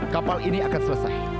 kapal ini akan selesai